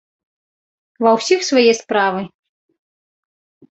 Ва ўсіх свае справы.